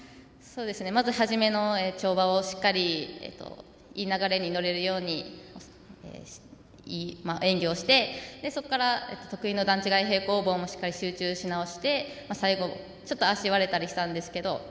まず、初めの跳馬でしっかり流れに乗れるように演技をして、そこから得意の段違い平行棒もしっかり集中し直して最後、ちょっと足が割れたりしたんですけど。